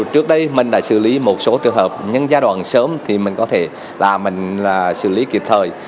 trước đây mình đã xử lý một số trường hợp nhưng giai đoạn sớm thì mình có thể là mình xử lý kịp thời